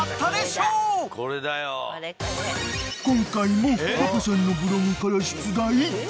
［今回もパパさんのブログから］